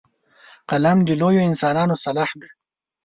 قلم د لویو انسانانو سلاح ده